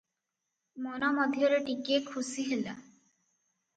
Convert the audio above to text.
ମନ ମଧ୍ୟରେ ଟିକିଏ ଖୁସି ହେଲା ।